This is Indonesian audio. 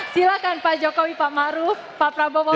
silakan pak jokowi pak maruf pak prabowo pak sandi